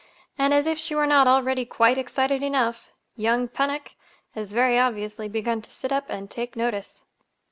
And, as if she were not already quite excited enough, young Pennock has very obviously begun to sit up and take notice."